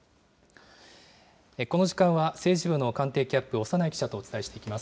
この時間は、政治部の官邸キャップ、長内記者とお伝えしていきます。